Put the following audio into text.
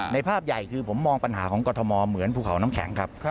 ภาพใหญ่คือผมมองปัญหาของกรทมเหมือนภูเขาน้ำแข็งครับ